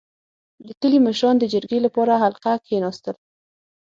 • د کلي مشران د جرګې لپاره حلقه کښېناستل.